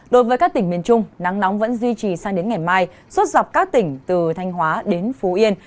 đối với các tỉnh miền trung nắng nóng vẫn duy trì sang đến ngày mai suốt dọc các tỉnh từ thanh hóa đến phú yên